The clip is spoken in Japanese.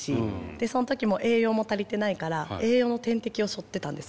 でその時も栄養も足りてないから栄養の点滴をしょってたんです。